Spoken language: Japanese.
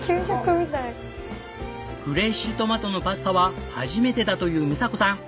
フレッシュトマトのパスタは初めてだというみさ子さん。